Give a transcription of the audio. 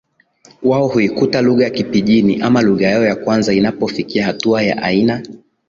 wao huikuta lugha ya kipijini ama lugha yao ya kwanza Inapofikia hatua ya aina